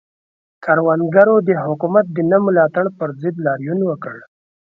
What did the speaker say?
کروندګرو د حکومت د نه ملاتړ پر ضد لاریون وکړ.